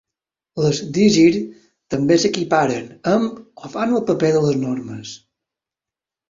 Les dísir també s'equiparen amb o fan el paper de les nornes.